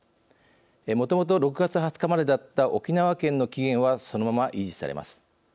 もともと６月２０日までだった沖縄県の期限はそのまま維持されます。